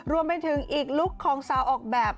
รวมไปถึงอีกลุคของสาวออกแบบ